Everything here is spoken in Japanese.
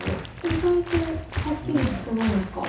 意外とはっきり生きてないんですか？